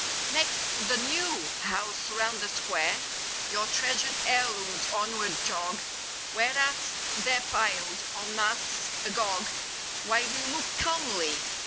6i Next, to the new (?) house 'round the square, Your treasured heirlooms onward jog; Whereat they're piled, en masse—agog. While you look calmly